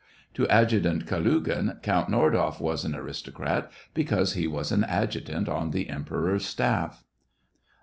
To Adjutant Kalugin, Count Nordoff was an aristo craty because he was an adjutant on the Emperor's staff.